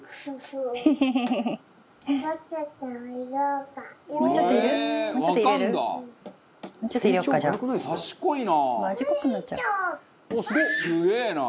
「すげえな！」